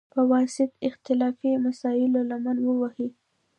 په واسطه، اختلافي مسایلوته لمن ووهي،